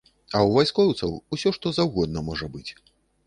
А ў вайскоўцаў усё што заўгодна можа быць.